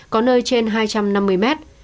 có nơi trên hai trăm năm mươi mét